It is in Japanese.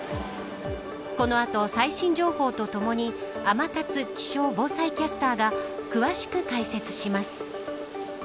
この後、最新情報とともに天達気象防災キャスターが詳しく解説します。